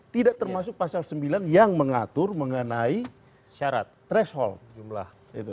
tidak termasuk pasal sembilan yang mengatur mengenai syarat threshold jumlah